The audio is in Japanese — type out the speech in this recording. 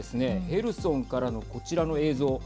ヘルソンからのこちらの映像。